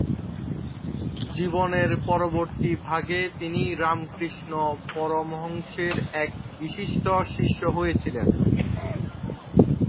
জীবনের পরবর্তী ভাগে তিনি রামকৃষ্ণ পরমহংসের এক বিশিষ্ট শিষ্য হয়েছিলেন।